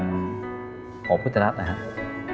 ท่านให้ต้องเกียรติภาพจิตกรรมอบฤตรรัส